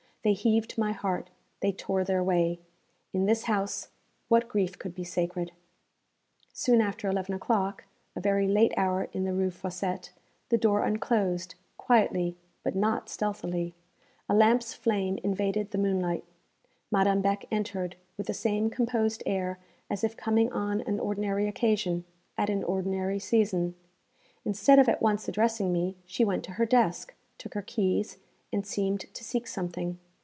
They heaved my heart; they tore their way. In this house, what grief could be sacred! Soon after eleven o'clock a very late hour in the Rue Fossette the door unclosed, quietly, but not stealthily; a lamp's flame invaded the moonlight. Madame Beck entered, with the same composed air as if coming on an ordinary occasion, at an ordinary season. Instead of at once addressing me, she went to her desk, took her keys, and seemed to seek something.